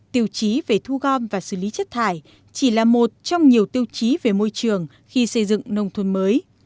tiêu chí về thu gom và xử lý chất thải chỉ là một trong nhiều tiêu chí về môi trường khi xây dựng nông thôn mới